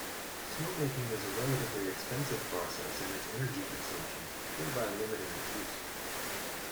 Snowmaking is a relatively expensive process in its energy consumption, thereby limiting its use.